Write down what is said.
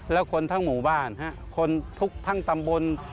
แล้วคนทั้งหมู่บ้านคนทุกทั้งตำบล